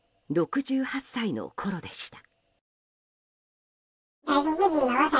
６８歳のころでした。